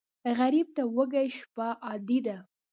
غریب ته وږې شپه عادي ده